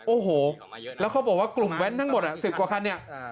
โอ้โหแล้วเขาบอกว่ากลุ่มแว้นทั้งหมด๑๐กว่าคันเนี่ย